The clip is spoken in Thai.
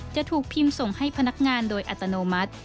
จะถูกพิมพ์ส่งให้พนักงานโดยอัตโนมัติ